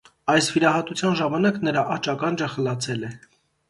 Այս վիրահատության ժամանակ նրա աջ ականջը խլացել է։